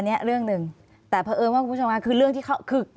เรื่องหนึ่งแต่เพราะเอิญว่าคุณผู้ชมค่ะคือเรื่องที่เขาคือ